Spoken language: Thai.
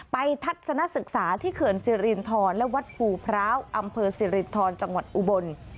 ทัศนศึกษาที่เขื่อนสิรินทรและวัดภูพร้าวอำเภอสิรินทรจังหวัดอุบล